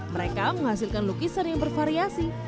mereka menghasilkan lukisan yang bervariasi